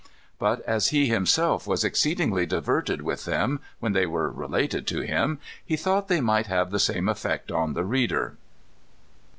But as he himself was exceedingly diverted with them, when they were related to him, he thought they might have the same effect on the reader."